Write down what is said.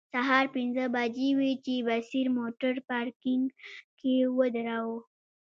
سهار پنځه بجې وې چې بصیر موټر پارکینګ کې ودراوه.